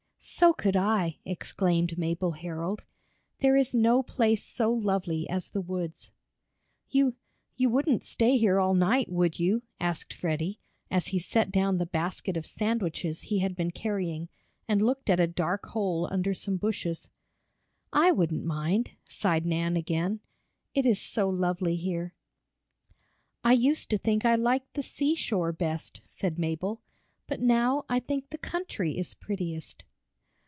"So could I!" exclaimed Mabel Herold. "There is no place so lovely as the woods." "You you wouldn't stay here all night, would you?" asked Freddie, as he set down the basket of sandwiches he had been carrying, and looked at a dark hole under some bushes. "I wouldn't mind," sighed Nan again. "It is so lovely here." "I used to think I liked the seashore best," said Mabel, "but now I think the country is prettiest."